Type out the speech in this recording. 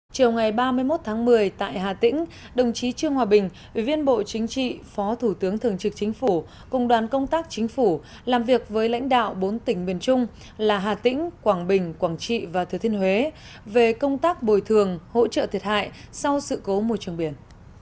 chiều ngày ba mươi một tháng một mươi tại hà tĩnh đồng chí trương hòa bình ủy viên bộ chính trị phó thủ tướng thường trực chính phủ cùng đoàn công tác chính phủ làm việc với lãnh đạo bốn tỉnh miền trung là hà tĩnh quảng bình quảng trị và thừa thiên huế về công tác bồi thường hỗ trợ thiệt hại sau sự cố môi trường biển